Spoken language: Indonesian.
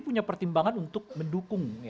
punya pertimbangan untuk mendukung